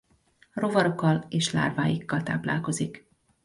Rovarokkal és lárváikkal táplálkozik.